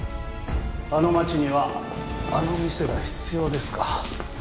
「あの街にはあの店が必要です」か。